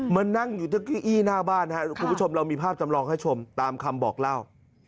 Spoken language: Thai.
มานั่งอยู่ตั้งเก้าอี้หน้าบ้านครับคุณผู้ชมเรามีภาพจำลองให้ชมตามคำบอกเล่า